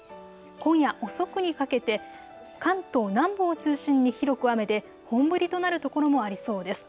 今夜、遅くにかけて関東南部を中心に広く雨で本降りとなる所もありそうです。